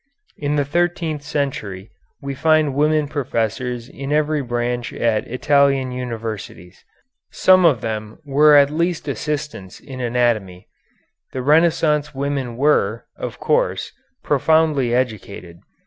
In the thirteenth century we find women professors in every branch at Italian universities. Some of them were at least assistants in anatomy. The Renaissance women were, of course, profoundly educated.